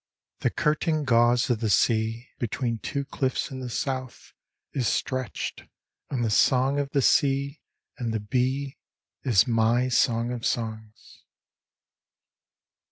The curtained gauze of the sea between two cliffs in the south Is stretched, and the song of the sea and the bee is my Song of Songs.